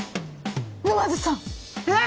沼津さんえっ